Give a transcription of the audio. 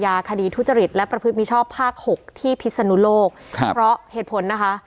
คดีทุจริตและประพฤติมิชอบภาคหกที่พิศนุโลกครับเพราะเหตุผลนะคะ